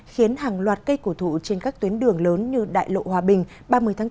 khiến hàng loạt cây cổ thụ trên các tuyến đường lớn như đại lộ hòa bình ba mươi tháng bốn